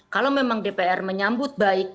kalau memang dpr menyambut baik